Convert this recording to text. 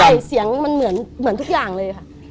ใช่เสียงมันเหมือนทุกอย่างเลยค่ะ